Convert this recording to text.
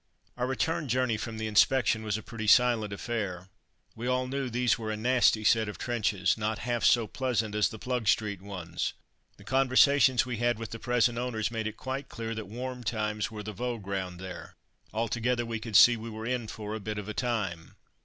Our return journey from the inspection was a pretty silent affair. We all knew these were a nasty set of trenches. Not half so pleasant as the Plugstreet ones. The conversations we had with the present owners made it quite clear that warm times were the vogue round there. Altogether we could see we were in for a "bit of a time."